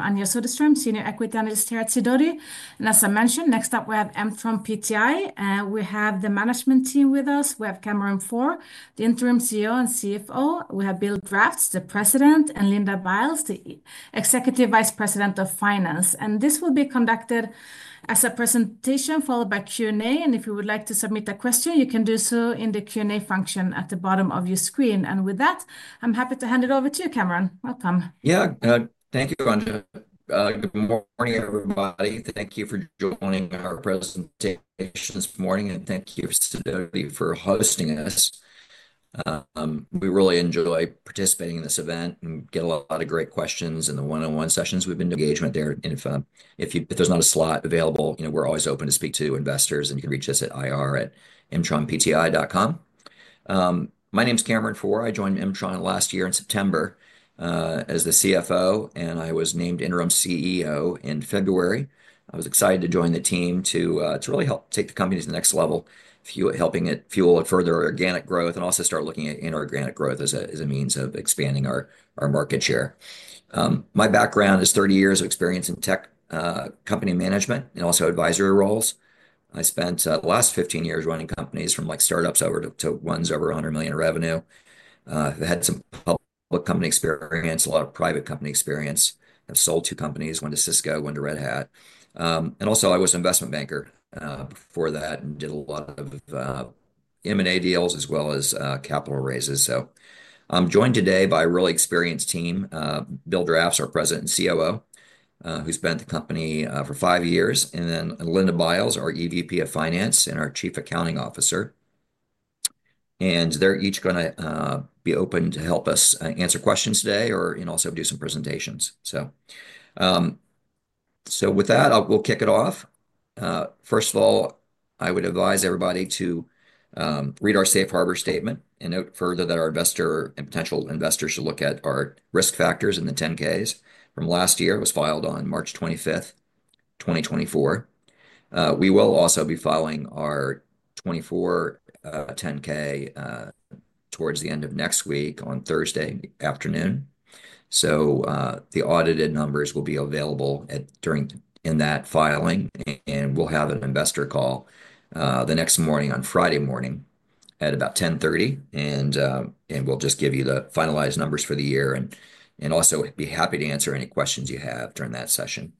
I'm Anja Soderstrom, Senior Equity Analyst here at Sidoti. As I mentioned, next up we have M-tron Industries, and we have the management team with us. We have Cameron Pforr, the interim CEO and CFO. We have Bill Drafts, the President, and Linda Biles, the Executive Vice President of Finance. This will be conducted as a presentation followed by Q&A. If you would like to submit a question, you can do so in the Q&A function at the bottom of your screen. With that, I'm happy to hand it over to you, Cameron. Welcome. Yeah, thank you, Anja. Good morning, everybody. Thank you for joining our presentation this morning, and thank you to Sidoti for hosting us. We really enjoy participating in this event and get a lot of great questions in the one-on-one sessions we've been doing. Engagement there. If there's not a slot available, you know, we're always open to speak to investors, and you can reach us at ir@mtronpti.com. My name is Cameron Pforr. I joined M-tron last year in September as the CFO, and I was named interim CEO in February. I was excited to join the team to really help take the company to the next level, helping it fuel further organic growth and also start looking at inorganic growth as a means of expanding our market share. My background is 30 years of experience in tech company management and also advisory roles. I spent the last 15 years running companies from startups over to ones over $100 million in revenue. I've had some public company experience, a lot of private company experience. I've sold two companies, one to Cisco, one to Red Hat. Also, I was an investment banker before that and did a lot of M&A deals as well as capital raises. I'm joined today by a really experienced team. Bill Drafts, our President and COO, who's been at the company for five years, and then Linda Biles, our EVP of Finance and our Chief Accounting Officer. They're each going to be open to help us answer questions today and also do some presentations. With that, we'll kick it off. First of all, I would advise everybody to read our Safe Harbor statement and note further that our investor and potential investors should look at our risk factors and the 10-Ks from last year. It was filed on March 25, 2024. We will also be filing our 2024 10-K towards the end of next week on Thursday afternoon. The audited numbers will be available during that filing, and we'll have an investor call the next morning on Friday morning at about 10:30 A.M. We'll just give you the finalized numbers for the year and also be happy to answer any questions you have during that session.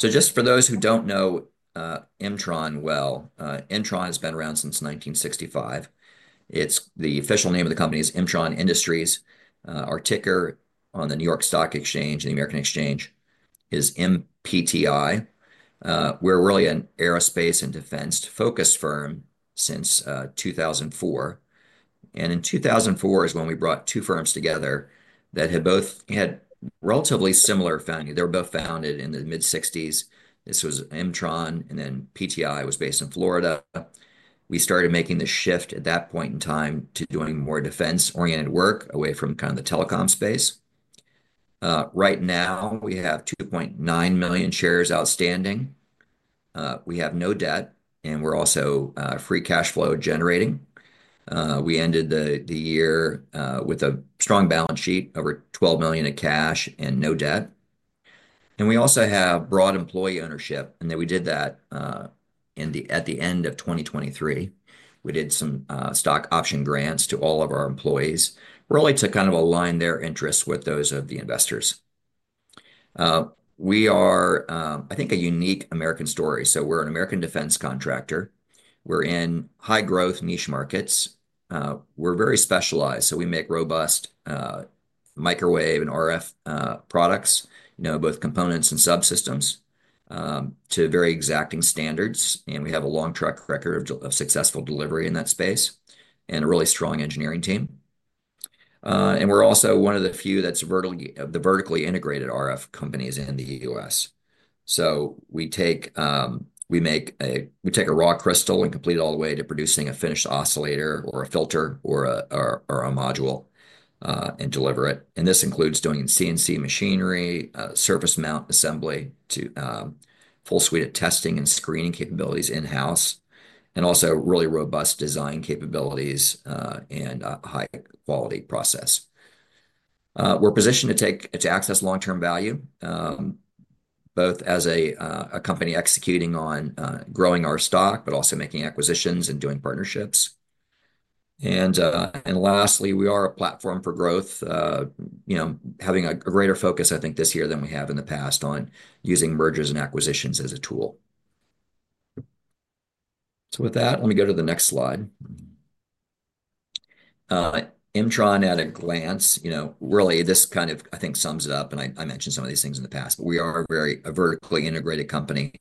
For those who don't know M-tron well, M-tron has been around since 1965. The official name of the company is M-tron Industries. Our ticker on the New York Stock Exchange and the American Exchange is MPTI. We're really an aerospace and defense-focused firm since 2004. In 2004 is when we brought two firms together that had both had relatively similar founding. They were both founded in the mid-1960s. This was M-tron, and then PTI was based in Florida. We started making the shift at that point in time to doing more defense-oriented work away from kind of the telecom space. Right now, we have 2.9 million shares outstanding. We have no debt, and we're also free cash flow generating. We ended the year with a strong balance sheet of $12 million in cash and no debt. We also have broad employee ownership, and we did that at the end of 2023. We did some stock option grants to all of our employees really to kind of align their interests with those of the investors. We are, I think, a unique American story. We're an American defense contractor. We're in high-growth niche markets. We're very specialized. We make robust microwave and RF products, both components and subsystems to very exacting standards. We have a long track record of successful delivery in that space and a really strong engineering team. We're also one of the few that's vertically integrated RF companies in the U.S. We take a raw crystal and complete it all the way to producing a finished oscillator or a filter or a module and deliver it. This includes doing CNC machinery, surface mount assembly, full suite of testing and screening capabilities in-house, and also really robust design capabilities and a high-quality process. We're positioned to access long-term value, both as a company executing on growing our stock, but also making acquisitions and doing partnerships. Lastly, we are a platform for growth, having a greater focus, I think, this year than we have in the past on using mergers and acquisitions as a tool. With that, let me go to the next slide. M-tron at a glance, really, this kind of, I think, sums it up. I mentioned some of these things in the past, but we are a very vertically integrated company.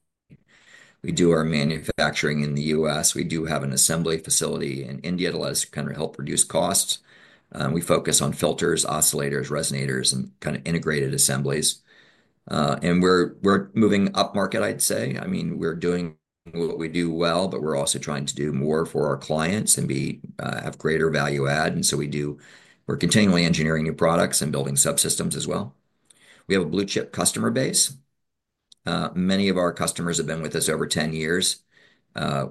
We do our manufacturing in the U.S. We do have an assembly facility in India to let us kind of help reduce costs. We focus on filters, oscillators, resonators, and kind of integrated assemblies. We're moving upmarket, I'd say. I mean, we're doing what we do well, but we're also trying to do more for our clients and have greater value-add. We are continually engineering new products and building subsystems as well. We have a blue-chip customer base. Many of our customers have been with us over 10 years. A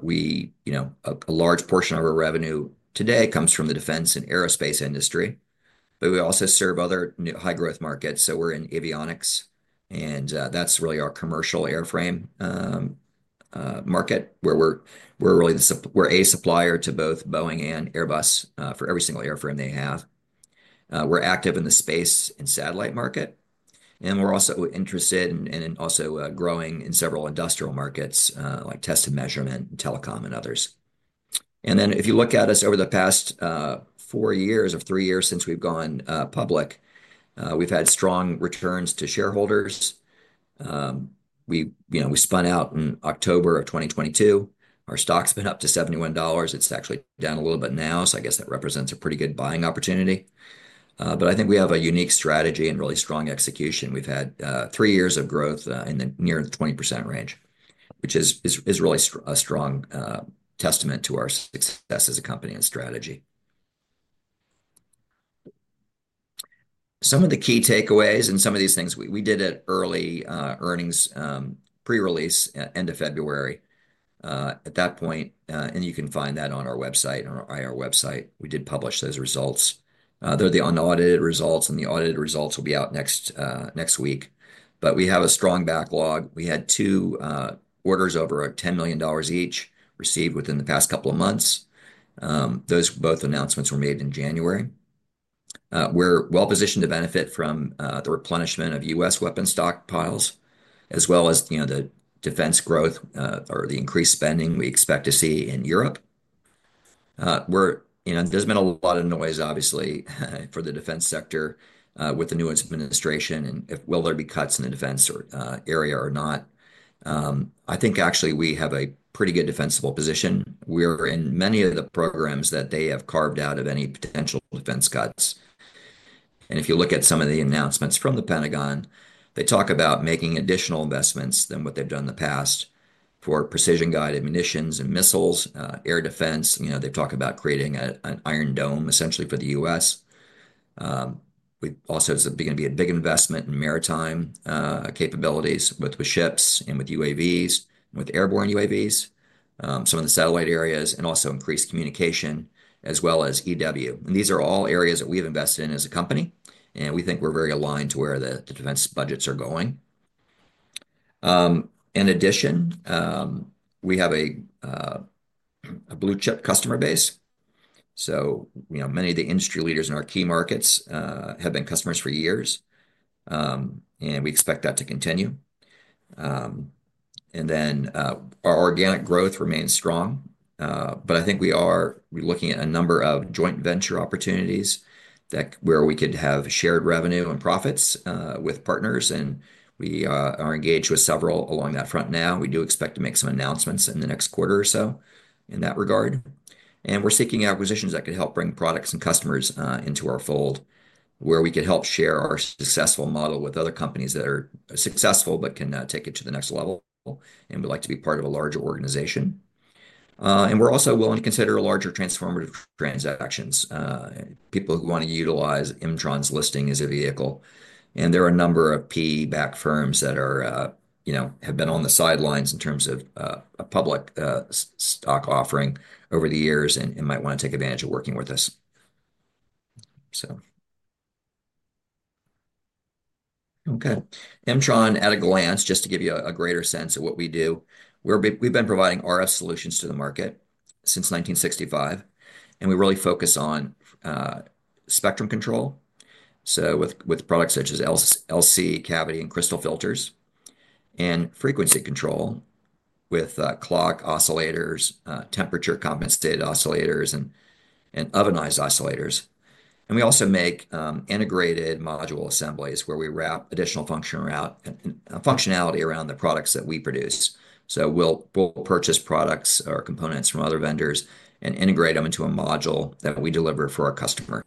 large portion of our revenue today comes from the defense and aerospace industry, but we also serve other high-growth markets. We are in avionics, and that is really our commercial airframe market where we are a supplier to both Boeing and Airbus for every single airframe they have. We are active in the space and satellite market, and we are also interested in also growing in several industrial markets like test and measurement, telecom, and others. If you look at us over the past four years or three years since we have gone public, we have had strong returns to shareholders. We spun out in October of 2022. Our stock has been up to $71. It is actually down a little bit now, so I guess that represents a pretty good buying opportunity. I think we have a unique strategy and really strong execution. We've had three years of growth in the near 20% range, which is really a strong testament to our success as a company and strategy. Some of the key takeaways and some of these things, we did an early earnings pre-release end of February at that point, and you can find that on our website, on our IR website. We did publish those results. They're the unaudited results, and the audited results will be out next week. We have a strong backlog. We had two orders over $10 million each received within the past couple of months. Those both announcements were made in January. We're well positioned to benefit from the replenishment of U.S. weapons stockpiles as well as the defense growth or the increased spending we expect to see in Europe. There's been a lot of noise, obviously, for the defense sector with the new administration and if will there be cuts in the defense area or not. I think, actually, we have a pretty good defensible position. We are in many of the programs that they have carved out of any potential defense cuts. If you look at some of the announcements from the Pentagon, they talk about making additional investments than what they've done in the past for precision-guided munitions and missiles, air defense. They talk about creating an Iron Dome, essentially, for the U.S. We also are going to be a big investment in maritime capabilities with ships and with UAVs, with airborne UAVs, some of the satellite areas, and also increased communication as well as EW. These are all areas that we've invested in as a company, and we think we're very aligned to where the defense budgets are going. In addition, we have a blue-chip customer base. Many of the industry leaders in our key markets have been customers for years, and we expect that to continue. Our organic growth remains strong. I think we are looking at a number of joint venture opportunities where we could have shared revenue and profits with partners, and we are engaged with several along that front now. We do expect to make some announcements in the next quarter or so in that regard. We are seeking acquisitions that could help bring products and customers into our fold where we could help share our successful model with other companies that are successful but can take it to the next level. We'd like to be part of a larger organization. We're also willing to consider larger transformative transactions, people who want to utilize M-tron's listing as a vehicle. There are a number of PE-backed firms that have been on the sidelines in terms of a public stock offering over the years and might want to take advantage of working with us. Okay. M-tron at a glance, just to give you a greater sense of what we do, we've been providing RF solutions to the market since 1965, and we really focus on spectrum control with products such as LC, cavity and crystal filters and frequency control with clock oscillators, temperature-compensated oscillators, and ovenized oscillators. We also make integrated module assemblies where we wrap additional functionality around the products that we produce. We will purchase products or components from other vendors and integrate them into a module that we deliver for our customer.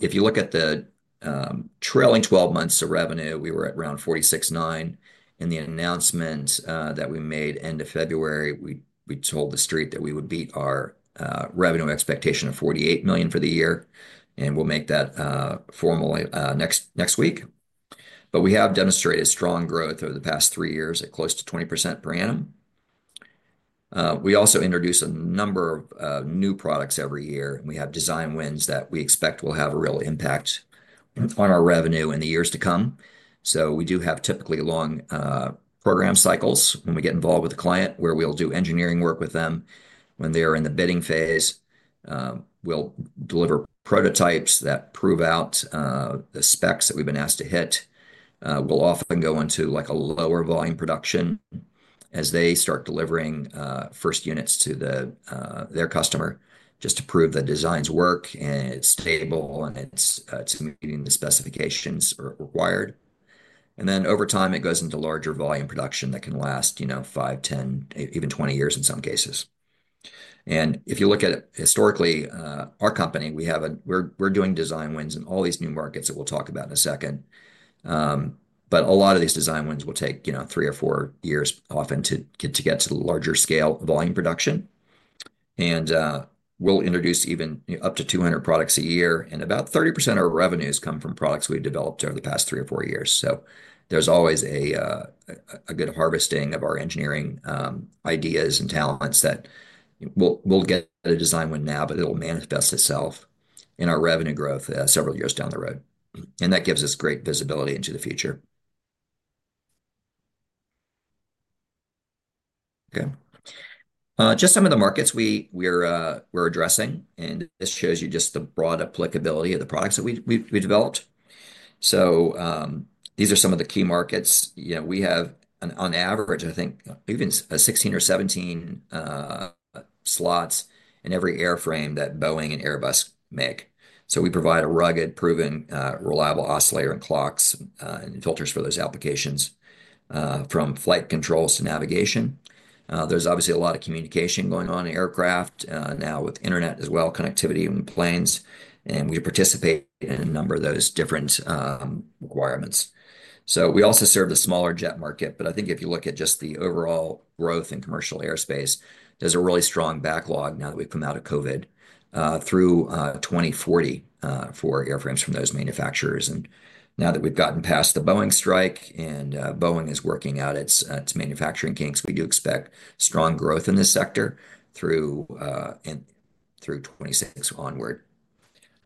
If you look at the trailing 12 months of revenue, we were at around $46.9 million. In the announcement that we made end of February, we told the street that we would beat our revenue expectation of $48 million for the year, and we will make that formal next week. We have demonstrated strong growth over the past three years at close to 20% per annum. We also introduce a number of new products every year. We have design wins that we expect will have a real impact on our revenue in the years to come. We do have typically long program cycles when we get involved with a client where we will do engineering work with them. When they are in the bidding phase, we'll deliver prototypes that prove out the specs that we've been asked to hit. We'll often go into a lower volume production as they start delivering first units to their customer just to prove the designs work and it's stable and it's meeting the specifications required. Over time, it goes into larger volume production that can last 5, 10, even 20 years in some cases. If you look at historically, our company, we're doing design wins in all these new markets that we'll talk about in a second. A lot of these design wins will take three or four years often to get to larger scale volume production. We'll introduce even up to 200 products a year, and about 30% of our revenues come from products we've developed over the past three or four years. There is always a good harvesting of our engineering ideas and talents that we'll get a design win now, but it'll manifest itself in our revenue growth several years down the road. That gives us great visibility into the future. Just some of the markets we're addressing, and this shows you just the broad applicability of the products that we developed. These are some of the key markets. We have, on average, I think, even 16 or 17 slots in every airframe that Boeing and Airbus make. We provide a rugged, proven, reliable oscillator and clocks and filters for those applications from flight controls to navigation. There is obviously a lot of communication going on in aircraft now with internet as well, connectivity in planes, and we participate in a number of those different requirements. We also serve the smaller jet market, but I think if you look at just the overall growth in commercial airspace, there's a really strong backlog now that we've come out of COVID through 2040 for airframes from those manufacturers. Now that we've gotten past the Boeing strike and Boeing is working out its manufacturing kinks, we do expect strong growth in this sector through 2026 onward.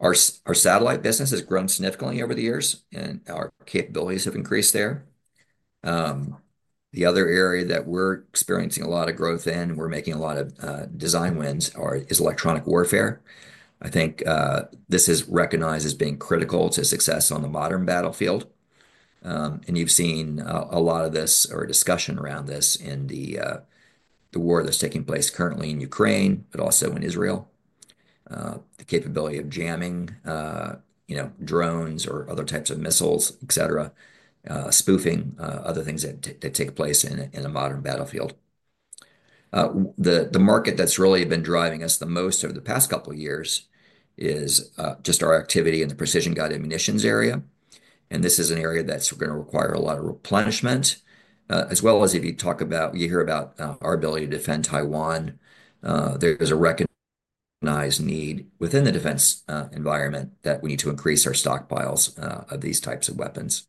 Our satellite business has grown significantly over the years, and our capabilities have increased there. The other area that we're experiencing a lot of growth in, we're making a lot of design wins, is electronic warfare. I think this is recognized as being critical to success on the modern battlefield. You have seen a lot of this or discussion around this in the war that is taking place currently in Ukraine, but also in Israel, the capability of jamming drones or other types of missiles, etc., spoofing other things that take place in a modern battlefield. The market that has really been driving us the most over the past couple of years is just our activity in the precision-guided munitions area. This is an area that is going to require a lot of replenishment, as well as if you talk about, you hear about our ability to defend Taiwan, there is a recognized need within the defense environment that we need to increase our stockpiles of these types of weapons.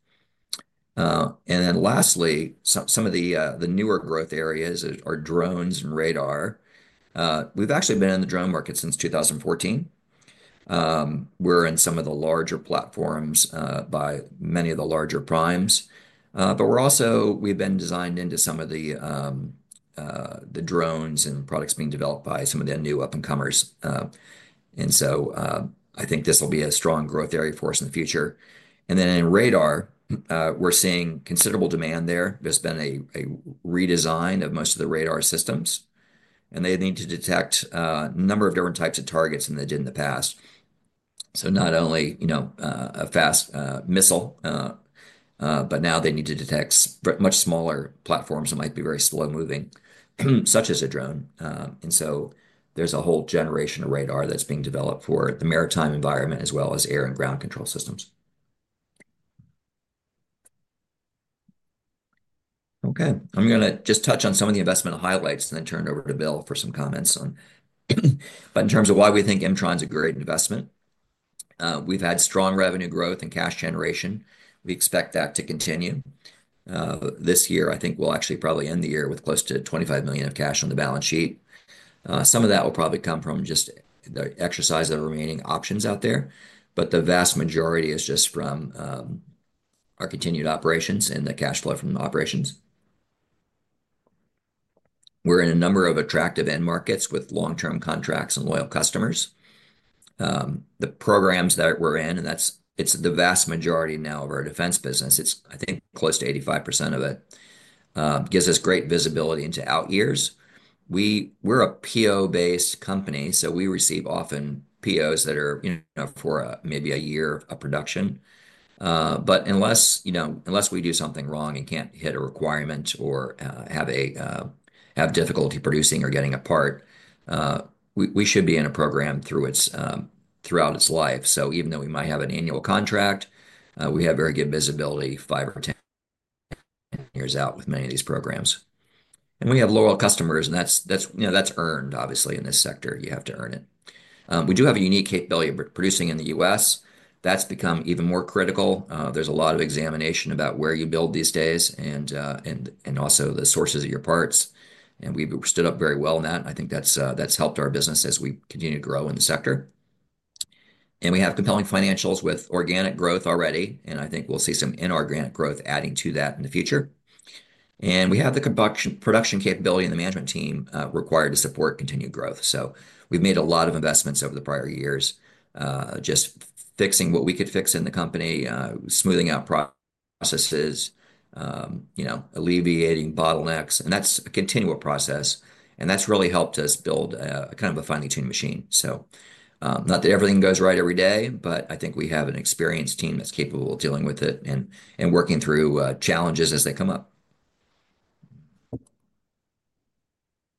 Lastly, some of the newer growth areas are drones and radar. We have actually been in the drone market since 2014. We're in some of the larger platforms by many of the larger primes. We've been designed into some of the drones and products being developed by some of the new up-and-comers. I think this will be a strong growth area for us in the future. In radar, we're seeing considerable demand there. There's been a redesign of most of the radar systems, and they need to detect a number of different types of targets than they did in the past. Not only a fast missile, but now they need to detect much smaller platforms that might be very slow-moving, such as a drone. There's a whole generation of radar that's being developed for the maritime environment as well as air and ground control systems. Okay. I'm going to just touch on some of the investment highlights and then turn it over to Bill for some comments on. In terms of why we think M-tron is a great investment, we've had strong revenue growth and cash generation. We expect that to continue. This year, I think we'll actually probably end the year with close to $25 million of cash on the balance sheet. Some of that will probably come from just the exercise of remaining options out there, but the vast majority is just from our continued operations and the cash flow from the operations. We're in a number of attractive end markets with long-term contracts and loyal customers. The programs that we're in, and it's the vast majority now of our defense business, it's, I think, close to 85% of it, gives us great visibility into out years. We're a PO-based company, so we receive often POs that are for maybe a year of production. Unless we do something wrong and can't hit a requirement or have difficulty producing or getting a part, we should be in a program throughout its life. Even though we might have an annual contract, we have very good visibility 5 or 10 years out with many of these programs. We have loyal customers, and that's earned, obviously, in this sector. You have to earn it. We do have a unique capability of producing in the U.S. That's become even more critical. There's a lot of examination about where you build these days and also the sources of your parts. We've stood up very well in that. I think that's helped our business as we continue to grow in the sector. We have compelling financials with organic growth already, and I think we'll see some inorganic growth adding to that in the future. We have the production capability and the management team required to support continued growth. We have made a lot of investments over the prior years, just fixing what we could fix in the company, smoothing out processes, alleviating bottlenecks. That is a continual process, and that has really helped us build kind of a finely-tuned machine. Not that everything goes right every day, but I think we have an experienced team that's capable of dealing with it and working through challenges as they come up.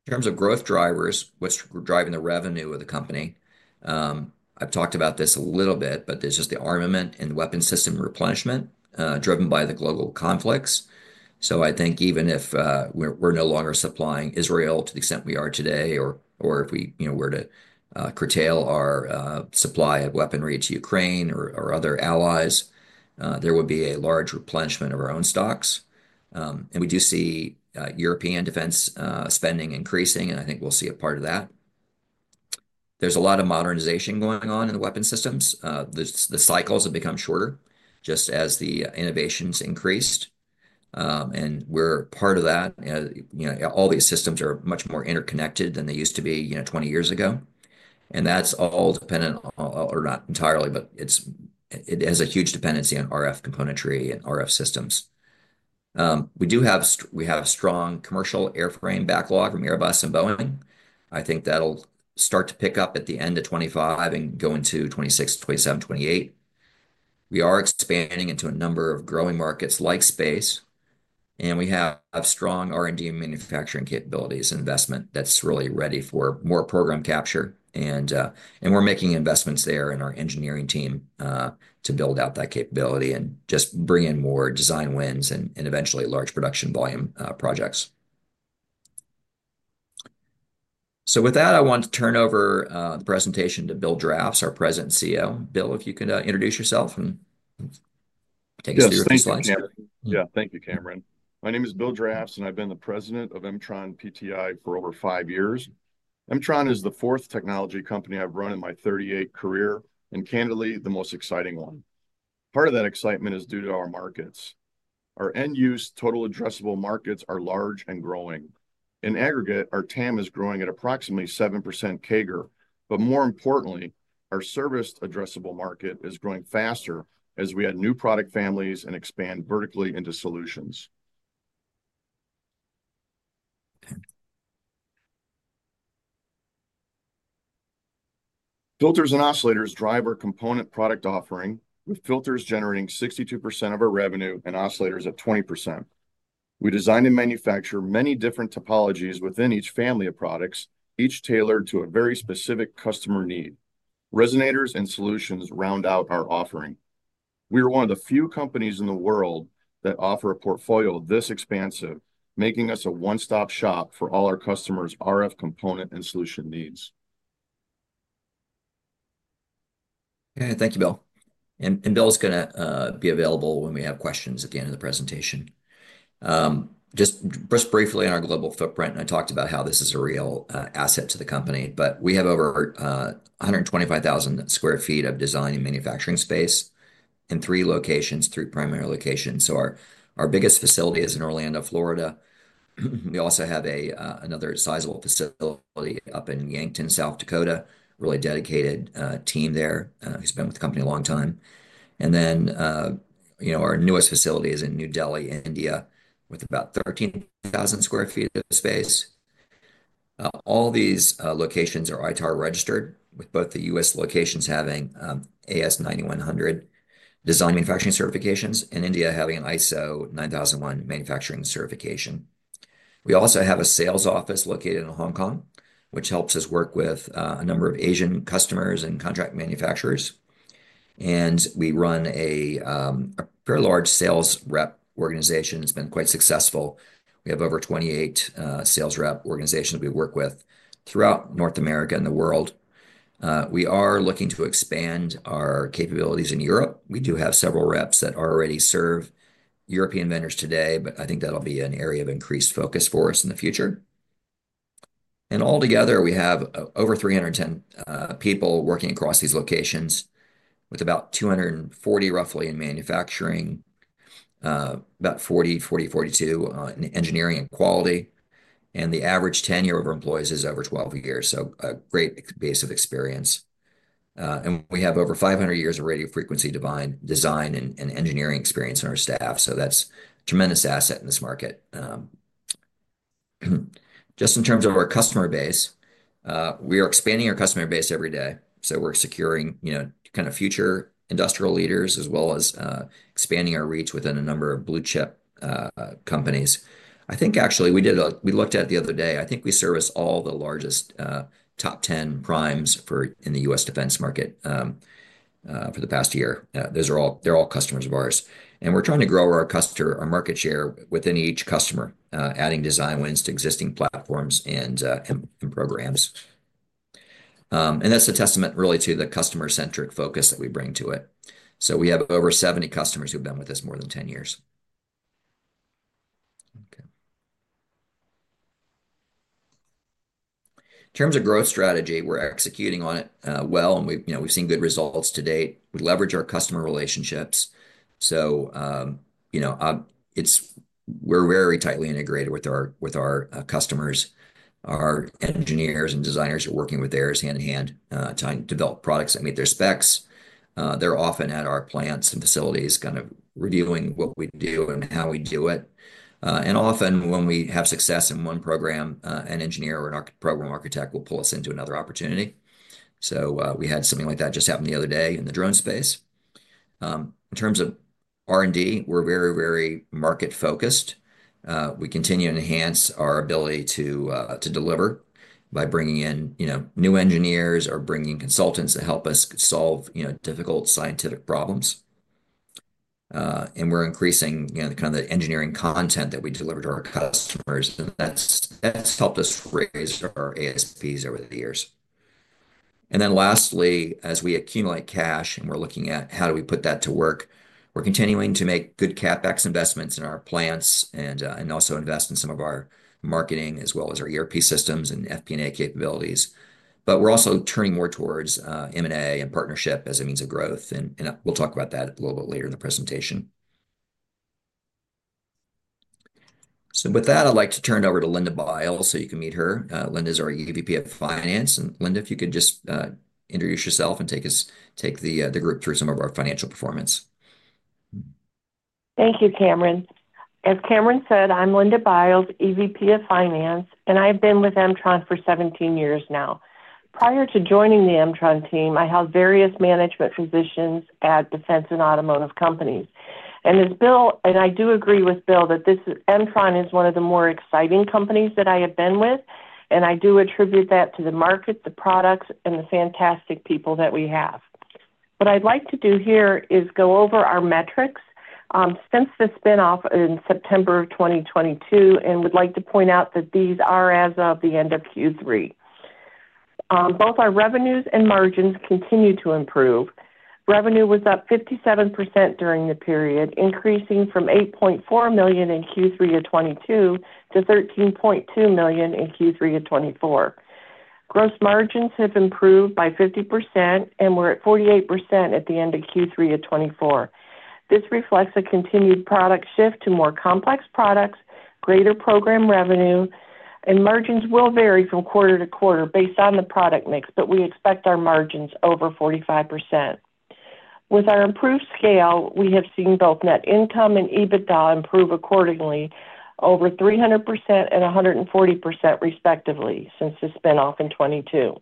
In terms of growth drivers, what's driving the revenue of the company? I've talked about this a little bit, but there's just the armament and weapon system replenishment driven by the global conflicts. I think even if we're no longer supplying Israel to the extent we are today, or if we were to curtail our supply of weaponry to Ukraine or other allies, there would be a large replenishment of our own stocks. We do see European defense spending increasing, and I think we'll see a part of that. There's a lot of modernization going on in the weapon systems. The cycles have become shorter just as the innovations increased. We're part of that. All these systems are much more interconnected than they used to be 20 years ago. That's all dependent, or not entirely, but it has a huge dependency on RF componentry and RF systems. We have a strong commercial airframe backlog from Airbus and Boeing. I think that'll start to pick up at the end of 2025 and go into 2026, 2027, 2028. We are expanding into a number of growing markets like space, and we have strong R&D manufacturing capabilities and investment that's really ready for more program capture. We are making investments there in our engineering team to build out that capability and just bring in more design wins and eventually large production volume projects. With that, I want to turn over the presentation to Bill Drafts, our President and COO. Bill, if you could introduce yourself and take us through your slides. Yeah. Thank you, Cameron. My name is Bill Drafts, and I've been the President of M-tron Industries for over five years. M-tron is the fourth technology company I've run in my 38-year career and, candidly, the most exciting one. Part of that excitement is due to our markets. Our end-use total addressable markets are large and growing. In aggregate, our TAM is growing at approximately 7% CAGR, but more importantly, our serviceable addressable market is growing faster as we add new product families and expand vertically into solutions. Filters and oscillators drive our component product offering, with filters generating 62% of our revenue and oscillators at 20%. We design and manufacture many different topologies within each family of products, each tailored to a very specific customer need. Resonators and solutions round out our offering. We are one of the few companies in the world that offer a portfolio this expansive, making us a one-stop shop for all our customers' RF component and solution needs. Okay. Thank you, Bill. Bill is going to be available when we have questions at the end of the presentation. Just briefly on our global footprint, I talked about how this is a real asset to the company, but we have over 125,000 sq ft of design and manufacturing space in three primary locations. Our biggest facility is in Orlando, Florida. We also have another sizable facility up in Yankton, South Dakota, a really dedicated team there who's been with the company a long time. Our newest facility is in New Delhi, India, with about 13,000 sq ft of space. All these locations are ITAR registered, with both the U.S. locations having AS 9100 design manufacturing certifications and India having ISO 9001 manufacturing certification. We also have a sales office located in Hong Kong, which helps us work with a number of Asian customers and contract manufacturers. We run a fairly large sales rep organization. It's been quite successful. We have over 28 sales rep organizations we work with throughout North America and the world. We are looking to expand our capabilities in Europe. We do have several reps that already serve European vendors today. I think that'll be an area of increased focus for us in the future. Altogether, we have over 310 people working across these locations, with about 240 roughly in manufacturing, about 40, 40, 42 in engineering and quality. The average tenure of employees is over 12 years, so a great base of experience. We have over 500 years of radio frequency design and engineering experience in our staff. That's a tremendous asset in this market. Just in terms of our customer base, we are expanding our customer base every day. We're securing kind of future industrial leaders as well as expanding our reach within a number of blue chip companies. I think actually we looked at the other day, I think we service all the largest top 10 primes in the U.S. defense market for the past year. They're all customers of ours. We're trying to grow our market share within each customer, adding design wins to existing platforms and programs. That's a testament really to the customer-centric focus that we bring to it. We have over 70 customers who've been with us more than 10 years. Okay. In terms of growth strategy, we're executing on it well, and we've seen good results to date. We leverage our customer relationships. We're very tightly integrated with our customers. Our engineers and designers are working with theirs hand in hand to develop products. I mean, their specs, they're often at our plants and facilities kind of reviewing what we do and how we do it. Often, when we have success in one program, an engineer or an architect will pull us into another opportunity. We had something like that just happen the other day in the drone space. In terms of R&D, we're very, very market-focused. We continue to enhance our ability to deliver by bringing in new engineers or bringing consultants to help us solve difficult scientific problems. We're increasing kind of the engineering content that we deliver to our customers. That's helped us raise our ASPs over the years. Lastly, as we accumulate cash and we're looking at how do we put that to work, we're continuing to make good CapEx investments in our plants and also invest in some of our marketing as well as our ERP systems and FP&A capabilities. We're also turning more towards M&A and partnership as a means of growth. We'll talk about that a little bit later in the presentation. With that, I'd like to turn it over to Linda Biles so you can meet her. Linda is our EVP of Finance. Linda, if you could just introduce yourself and take the group through some of our financial performance. Thank you, Cameron. As Cameron said, I'm Linda Biles, EVP of Finance, and I've been with M-tron for 17 years now. Prior to joining the M-tron team, I held various management positions at defense and automotive companies. I do agree with Bill that M-tron is one of the more exciting companies that I have been with, and I do attribute that to the market, the products, and the fantastic people that we have. What I'd like to do here is go over our metrics since the spinoff in September of 2022 and would like to point out that these are as of the end of Q3. Both our revenues and margins continue to improve. Revenue was up 57% during the period, increasing from $8.4 million in Q3 of 2022 to $13.2 million in Q3 of 2024. Gross margins have improved by 50%, and we're at 48% at the end of Q3 of 2024. This reflects a continued product shift to more complex products, greater program revenue, and margins will vary from quarter to quarter based on the product mix, but we expect our margins over 45%. With our improved scale, we have seen both net income and EBITDA improve accordingly over 300% and 140% respectively since the spinoff in 2022.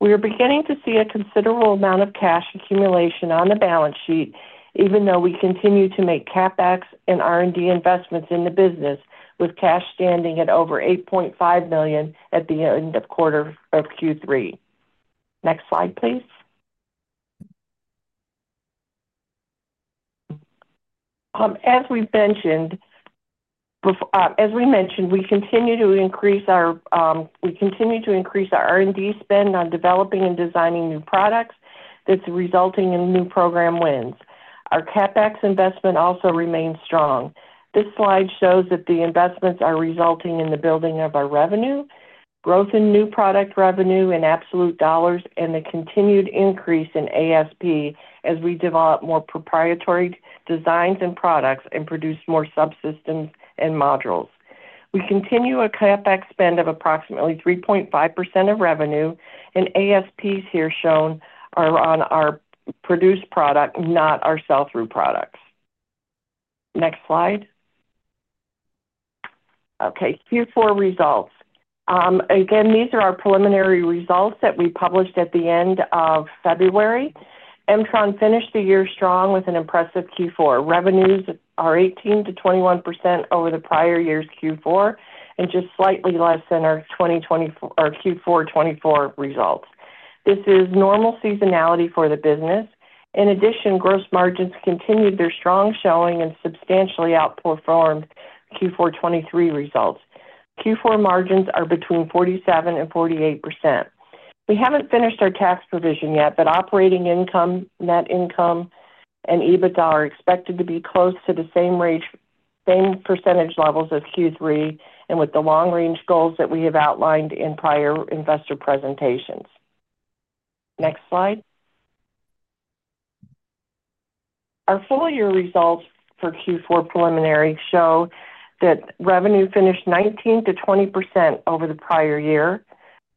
We are beginning to see a considerable amount of cash accumulation on the balance sheet, even though we continue to make CapEx and R&D investments in the business with cash standing at over $8.5 million at the end of quarter of Q3. Next slide, please. As we mentioned, we continue to increase our R&D spend on developing and designing new products that's resulting in new program wins. Our CapEx investment also remains strong. This slide shows that the investments are resulting in the building of our revenue, growth in new product revenue in absolute dollars, and the continued increase in ASP as we develop more proprietary designs and products and produce more subsystems and modules. We continue a CapEx spend of approximately 3.5% of revenue, and ASPs here shown are on our produced product, not our sell-through products. Next slide. Okay. Q4 results. Again, these are our preliminary results that we published at the end of February. M-tron finished the year strong with an impressive Q4. Revenues are 18%-21% over the prior year's Q4 and just slightly less than our Q4 2024 results. This is normal seasonality for the business. In addition, gross margins continued their strong showing and substantially outperformed Q4 2023 results. Q4 margins are between 47%-48%. We haven't finished our tax provision yet, but operating income, net income, and EBITDA are expected to be close to the same percentage levels as Q3 and with the long-range goals that we have outlined in prior investor presentations. Next slide. Our full-year results for Q4 preliminary show that revenue finished 19%-20% over the prior year.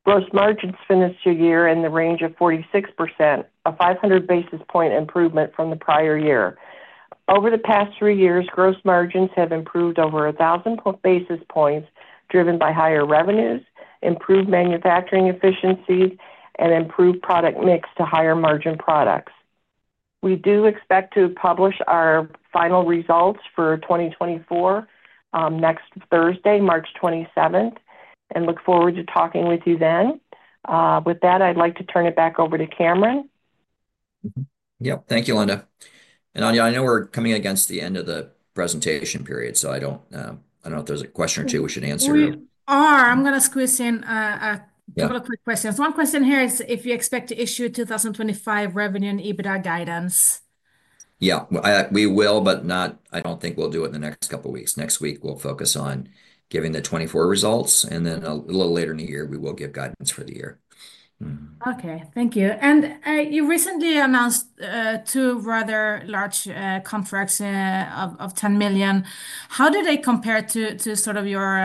Gross margins finished the year in the range of 46%, a 500 basis point improvement from the prior year. Over the past three years, gross margins have improved over 1,000 basis points driven by higher revenues, improved manufacturing efficiencies, and improved product mix to higher margin products. We do expect to publish our final results for 2024 next Thursday, March 27th, and look forward to talking with you then. With that, I'd like to turn it back over to Cameron. Yep. Thank you, Linda. And Anja, I know we're coming against the end of the presentation period, so I don't know if there's a question or two we should answer. We are. I'm going to squeeze in a couple of quick questions. One question here is if you expect to issue a 2025 revenue and EBITDA guidance. Yeah. We will, but I don't think we'll do it in the next couple of weeks. Next week, we'll focus on giving the 2024 results, and then a little later in the year, we will give guidance for the year. Okay. Thank you. You recently announced two rather large contracts of $10 million. How do they compare to sort of your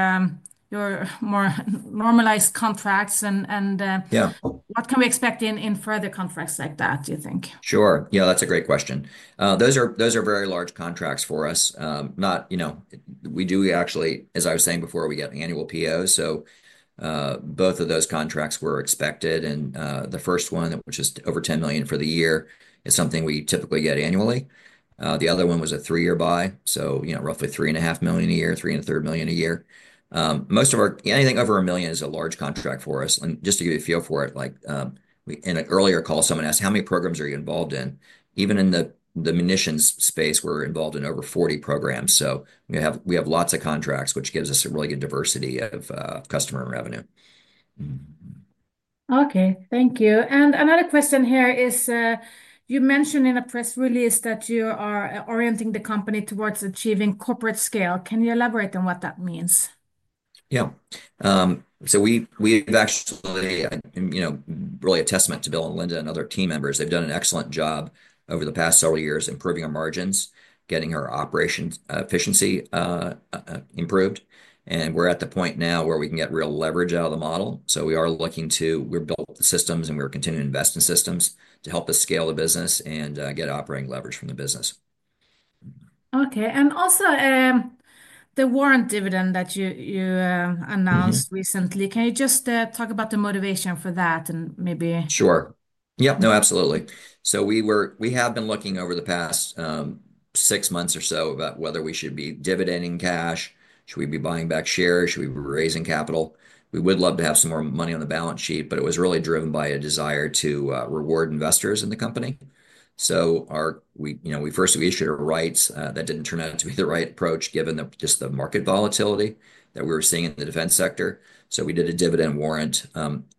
more normalized contracts? What can we expect in further contracts like that, do you think? Sure. Yeah, that's a great question. Those are very large contracts for us. We do actually, as I was saying before, get annual POs. Both of those contracts were expected. The first one, which is over $10 million for the year, is something we typically get annually. The other one was a three-year buy, so roughly $3.5 million a year, $3.33 million a year. Anything over $1 million is a large contract for us. Just to give you a feel for it, in an earlier call, someone asked, "How many programs are you involved in?" Even in the munitions space, we're involved in over 40 programs. We have lots of contracts, which gives us a really good diversity of customer revenue. Okay. Thank you. Another question here is you mentioned in a press release that you are orienting the company towards achieving corporate scale. Can you elaborate on what that means? Yeah. We've actually really a testament to Bill and Linda and other team members. They've done an excellent job over the past several years improving our margins, getting our operations efficiency improved. We are at the point now where we can get real leverage out of the model. We are looking to—we have built the systems, and we are continuing to invest in systems to help us scale the business and get operating leverage from the business. Okay. Also, the warrant dividend that you announced recently, can you just talk about the motivation for that and maybe? Sure. Yep. No, absolutely. We have been looking over the past six months or so about whether we should be dividending cash, should we be buying back shares, should we be raising capital. We would love to have some more money on the balance sheet, but it was really driven by a desire to reward investors in the company. First, we issued our rights. That did not turn out to be the right approach given just the market volatility that we were seeing in the defense sector. We did a dividend warrant.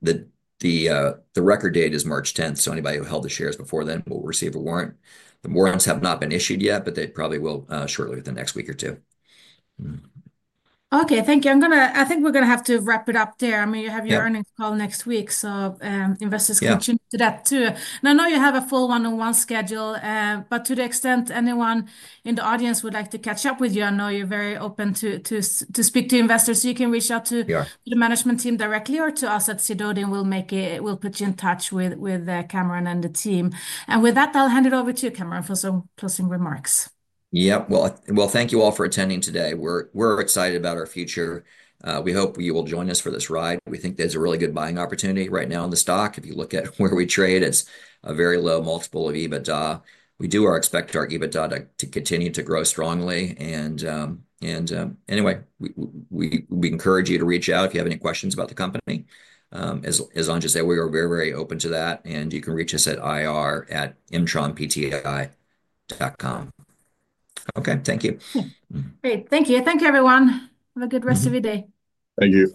The record date is March 10th, so anybody who held the shares before then will receive a warrant. The warrants have not been issued yet, but they probably will shortly within the next week or two. Okay. Thank you. I think we are going to have to wrap it up there. I mean, you have your earnings call next week, so investors can tune into that too. I know you have a full one-on-one schedule, but to the extent anyone in the audience would like to catch up with you, I know you are very open to speak to investors. You can reach out to the management team directly or to us at Sidoti, and we'll put you in touch with Cameron and the team. With that, I'll hand it over to you, Cameron, for some closing remarks. Yep. Thank you all for attending today. We're excited about our future. We hope you will join us for this ride. We think there's a really good buying opportunity right now in the stock. If you look at where we trade, it's a very low multiple of EBITDA. We do expect our EBITDA to continue to grow strongly. Anyway, we encourage you to reach out if you have any questions about the company. As Linda just said, we are very, very open to that. You can reach us at ir@mtronpti.com. Okay. Thank you. Great. Thank you. Thank you, everyone. Have a good rest of your day. Thank you.